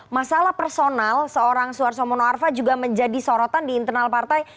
masalah personal seorang suarso mono arfa juga menjadi sorotan di internal partai